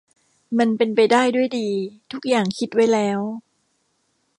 มันเป็นไปได้ด้วยดี ทุกอย่างคิดไว้แล้ว